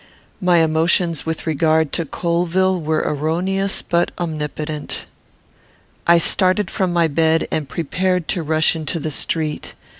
My emotions with regard to Colvill were erroneous, but omnipotent. I started from my bed, and prepared to rush into the street.